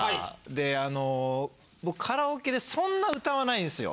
であの僕カラオケでそんな歌わないんですよ。